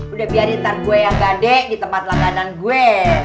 udah biarin ntar gue yang gade di tempat langganan gue